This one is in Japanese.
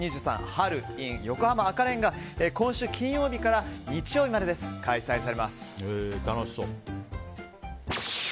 春ｉｎ横浜赤レンガは今週金曜日から日曜日まで開催されます。